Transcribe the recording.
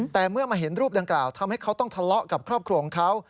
แต่เมื่อมาเห็นรูปดังกล่าวทำให้เขาต้องทะเลาะกับครอบครัวของเขา